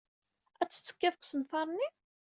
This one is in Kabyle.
Ad tettekkiḍ deg usenfar-nni?